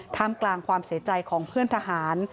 กลางความเสียใจของเพื่อนทหาร